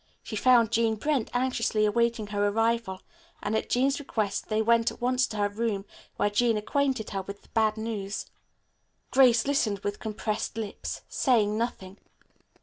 She found Jean Brent anxiously awaiting her arrival, and at Jean's request they went at once to her room, where Jean acquainted her with the bad news. Grace listened with compressed lips, saying nothing.